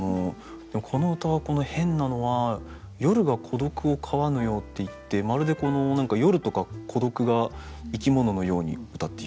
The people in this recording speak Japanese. この歌変なのは「夜が孤独を飼わぬよう」っていってまるで何か「夜」とか「孤独」が生き物のようにうたっている。